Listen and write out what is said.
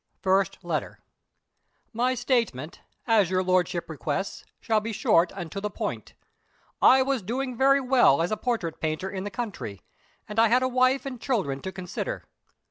First Letter. "My statement, as your Lordship requests, shall be short and to the point. I was doing very well as a portrait painter in the country; and I had a wife and children to consider.